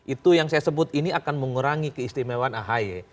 itu yang saya sebut ini akan mengurangi keistimewaan ahy